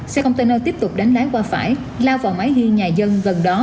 xe container tiếp tục đánh lái qua phải lao vào máy ghi nhà dân gần đó